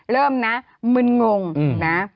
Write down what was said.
เริ่มนะมึนงงนะ